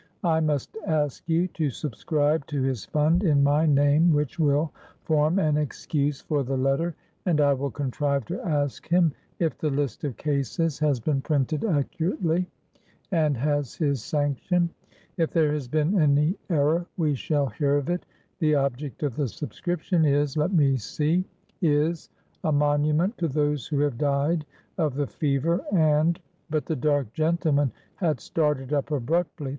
I must ask you to subscribe to his fund, in my name, which will form an excuse for the letter, and I will contrive to ask him if the list of cases has been printed accurately, and has his sanction. If there has been any error, we shall hear of it. The object of the subscription is—let me see—is—a monument to those who have died of the fever and"— But the dark gentleman had started up abruptly.